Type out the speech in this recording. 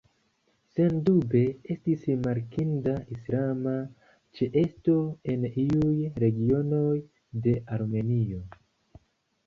Sendube, estis rimarkinda islama ĉeesto en iuj regionoj de Armenio.